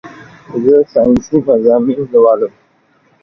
زه سائنسي مضامين لولم